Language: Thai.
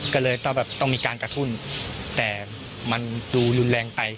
ก็เลยต้องแบบต้องมีการกระทุนแต่มันดูรุนแรงไป